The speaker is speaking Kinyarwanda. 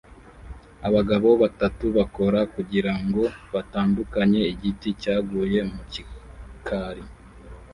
Abagabo batatu bakora kugirango batandukanye igiti cyaguye mu gikari